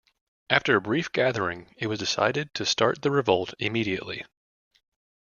After a brief gathering it was decided to start the revolt immediately.